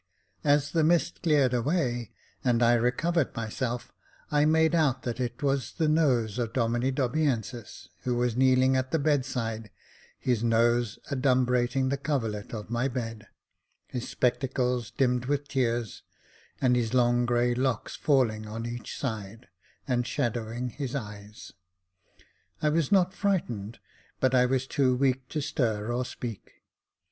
As the mist cleared away, and I recovered myself, I made out that it was the nose of Domine Dobiensis, who was kneeling at the bed side, his nose adumbrating the coverlid of my bed, his spectacles dimmed with tears, and his long grey locks falling on each side, and shadowing his eyes. I was not frightened, but I was too weak to stir or speak.